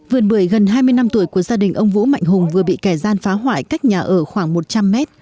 vườn bưởi gần hai mươi năm tuổi của gia đình ông vũ mạnh hùng vừa bị kẻ gian phá hoại cách nhà ở khoảng một trăm linh mét